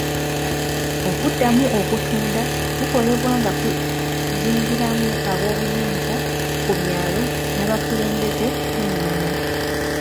Okuddamu okutunda kukolebwa nga kuzingiramu aboobuyinza ku byalo n'abakulembeze b'ennono.